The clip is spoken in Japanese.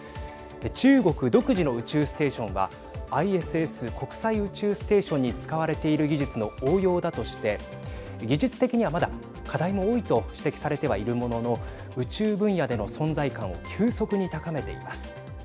中国独自の宇宙ステーションはＩＳＳ＝国際宇宙ステーションに使われている技術の応用だとして技術的にはまだ課題も多いと指摘されてはいるものの宇宙分野での存在感を急速に高めています。